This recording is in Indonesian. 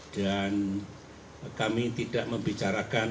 dan kami tidak membicarakan